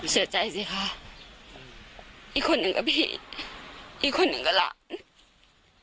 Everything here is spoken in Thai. เสียใจสิค่ะอีกคนนึงกับพี่อีกคนนึงกับหลัง